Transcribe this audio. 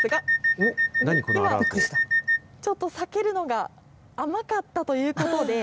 おっ、今、ちょっと避けるのが甘かったということで。